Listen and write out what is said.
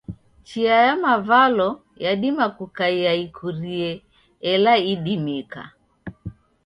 Chia ya mavalo yadima kukaiya ikurie, ela idimika.